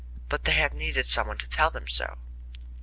But they have needed some one to tell them so.